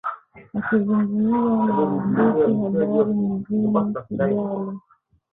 Akizungumza na waandishi habari mjini Kigali